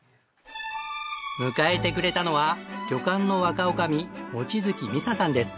迎えてくれたのは旅館の若女将望月美佐さんです。